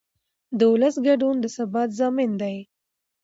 د ولس ګډون د ثبات ضامن دی